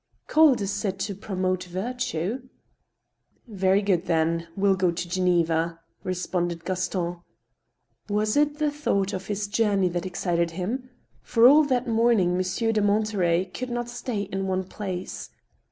" Cold is said to promote virtue." '" Very good, then. We'll go to Geneva," responded Gaston. Was it the thought of his journey that excited him ?— for all that morning Monsieur de Monterey could not stay in one place.